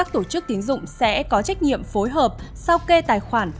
tổ chức tiến dụng sẽ có trách nhiệm phối hợp sau kê tài khoản